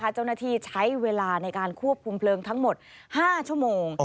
เจ้าหน้าที่ใช้เวลาในการควบคุมเพลิงทั้งหมด๕ชั่วโมง